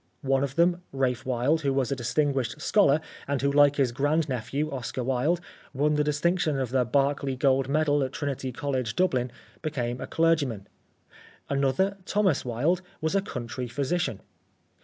One of them, Ralph Wilde, who was a distinguished scholar, and who like his grand nephew, Oscar Wilde, won the distinction of the Berkeley Gold Medal at Trinity College, Dublin, became a clergyman ; another, Thomas Wilde, was a country physician.